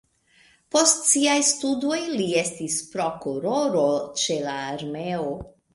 Post siaj studoj li estis prokuroro ĉe la armeo.